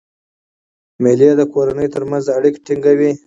مېلې د کورنۍ ترمنځ اړیکي ټینګوي.